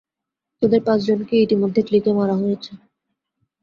তোদের পাচ জনকে ইতি মধ্যে ক্লিকে মারা হয়েছে।